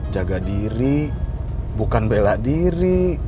jaga diri bukan bela diri